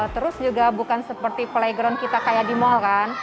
terus juga bukan seperti playground kita kayak di mall kan